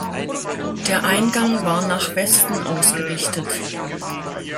Der Eingang war nach Westen ausgerichtet.